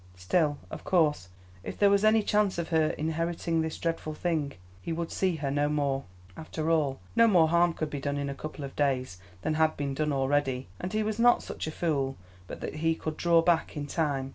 Still, of course, if there was any chance of her inheriting this dreadful thing, he would see her no more. After all, no more harm could be done in a couple of days than had been done already, and he was not such a fool but that he could draw back in time.